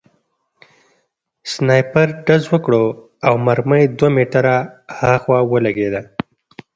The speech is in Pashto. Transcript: سنایپر ډز وکړ او مرمۍ دوه متره هاخوا ولګېده